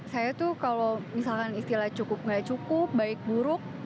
saya tuh kalau misalkan istilah cukup nggak cukup baik buruk